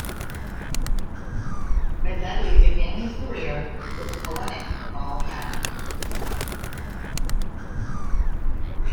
Maseti began his career with Hellenic Football Academy.